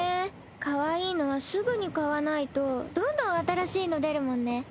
かわいいのはすぐに買わないとどんどん新しいの出るもんね。